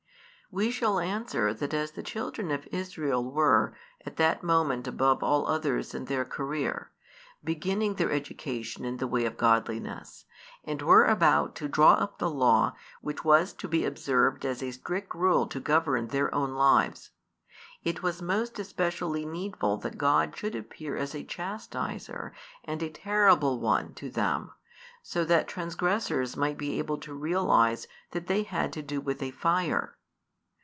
We shall answer that as the children of Israel were, at that moment above all others in their career, beginning their education in the way of |260 godliness, and were about to draw up the law which was to be observed as a strict rule to govern their own lives; it was most especially needful that God should appear as a Chastiser and a Terrible One to them, so that transgressors might be able to realise that they had to do with a Fire.